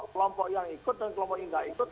kelompok yang ikut dan kelompok ini tidak ikut